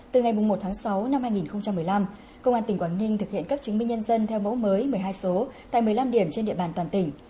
từ ngày một tháng sáu năm hai nghìn một mươi năm công an tỉnh quảng ninh thực hiện cấp chứng minh nhân dân theo mẫu mới một mươi hai số tại một mươi năm điểm trên địa bàn toàn tỉnh